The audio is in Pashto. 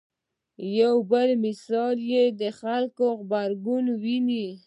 په یو بل مثال کې د خلکو غبرګون وینو.